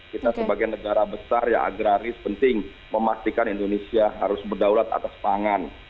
kita sebagai negara besar yang agraris penting memastikan indonesia harus berdaulat atas pangan